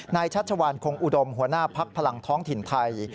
ชัชวานคงอุดมหัวหน้าพักพลังท้องถิ่นไทย